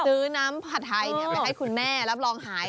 ซื้อน้ำผัดไทยไปให้คุณแม่รับรองหาย